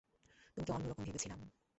তোমাকে অন্যরকম ভেবেছিলাম।